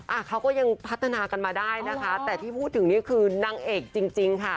อ่ะเขาก็ยังพัฒนากันมาได้นะคะแต่ที่พูดถึงนี่คือนางเอกจริงจริงค่ะ